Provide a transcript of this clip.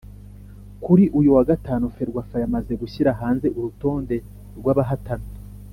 kuri uyu wa Gatanu Ferwafa yamaze gushyira hanze urutonde rw’abahatana